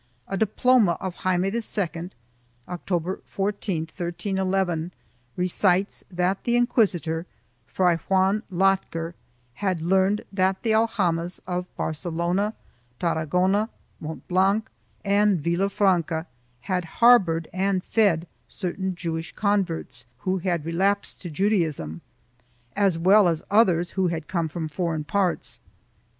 A diploma of Jaime II, October 14, 1311, recites that the inquisitor, Fray Juan Llotger, had „ learned that the al jamas of Barcelona, Tarragona, Monblanch and Vilafranca had harbored and fed certain Jewish converts, who had relapsed to Judaism, as* well as others who had come from foreign parts.